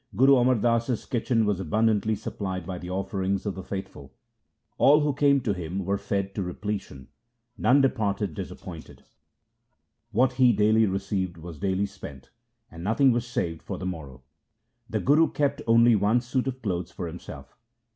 Guru Amar Das's kitchen was abundantly supplied by the offerings of the faithful. All who came to visit him were fed to repletion. None departed disappointed. What he daily re ceived was daily spent, and nothing was saved for the morrow. The Guru kept only one suit of clothes for himself.